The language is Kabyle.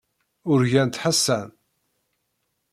Urgant Ḥasan.